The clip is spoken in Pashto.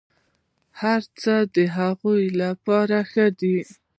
هرڅه د هغه لپاره ښه دي.